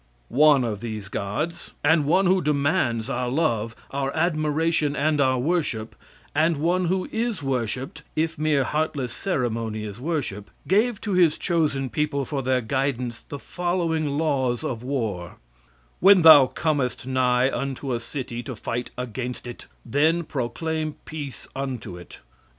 One of these gods, and one who demands our love, our admiration and our worship, and one who is worshiped, if mere heartless ceremony is worship, gave to his chosen people for their guidance the following laws of war: "When thou comest nigh unto a city to fight against it, then proclaim peace unto it.